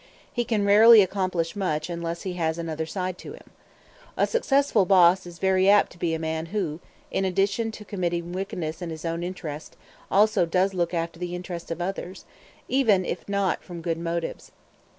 He can rarely accomplish much unless he has another side to him. A successful boss is very apt to be a man who, in addition to committing wickedness in his own interest, also does look after the interests of others, even if not from good motives.